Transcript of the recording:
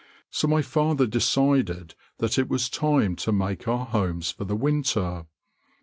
So my father decided that it was time to make our homes for the winter.